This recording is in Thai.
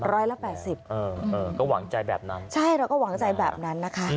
ร้อยละแปดสิบเออก็หวังใจแบบนั้นใช่เราก็หวังใจแบบนั้นนะคะ